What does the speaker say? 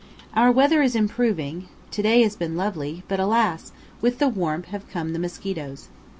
Our weather is improving, to day has been lovely; but alas! with the warmth have come the mosquitoes.